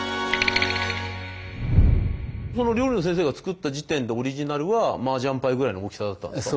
その料理の先生が作った時点でオリジナルは麻雀牌ぐらいの大きさだったんですか？